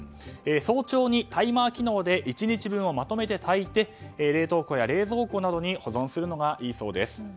早朝にタイマー機能で１日分をまとめて炊いて冷凍庫や冷蔵庫などに保存するのがいいそうです。